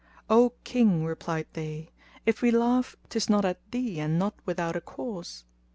"O King," replied they, "if we laugh 'tis not at thee and not without a cause."